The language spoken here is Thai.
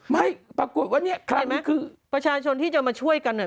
ไม่ปรากฏวันเนี้ยครั้งนี้คือประชาชนที่จะมาช่วยกันอ่ะ